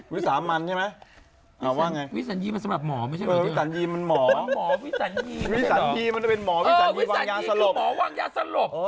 วิสันยีมันถึงเป็นหมอวิสันยีวางยาสลบ